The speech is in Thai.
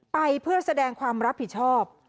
ไปเพื่อแสดงความรับผิดชอบ